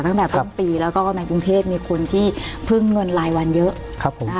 ตั้งแต่ต้นปีแล้วก็ในกรุงเทพมีคนที่พึ่งเงินรายวันเยอะ